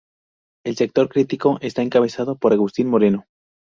El sector crítico está encabezado por Agustín Moreno.